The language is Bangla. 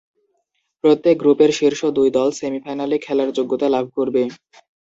প্রত্যেক গ্রুপের শীর্ষ দুই দল সেমি-ফাইনালে খেলার যোগ্যতা লাভ করবে।